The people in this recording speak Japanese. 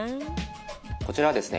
こちらはですね